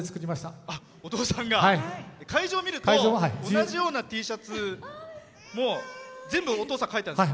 会場を見ると同じようなＴシャツも全部、お父さんが書いたんですか？